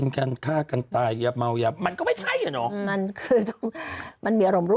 มันคือมันมีอารมณ์ร่วมเนอะ